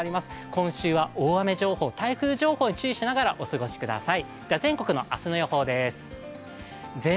今週は大雨情報、台風情報に注意しながらお過ごしください。